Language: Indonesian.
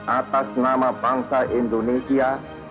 atas nama bangsa indonesia